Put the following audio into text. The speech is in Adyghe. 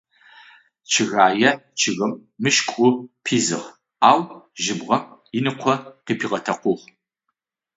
Чъыгэе чъыгым мышкӏу пизыгъ, ау жьыбгъэм ыныкъо къыпигъэтэкъугъ.